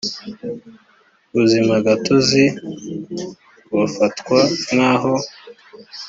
ubuzimagatozi bafatwa nk aho